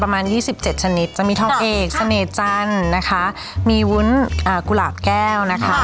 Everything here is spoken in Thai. แม่ก็ใช้งานสารกัน